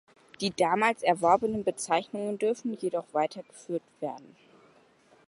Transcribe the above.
Die damals erworbenen Bezeichnungen dürfen jedoch weiter geführt werden.